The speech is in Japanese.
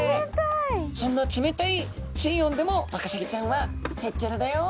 そんな冷たい水温でもワカサギちゃんはへっちゃらだよ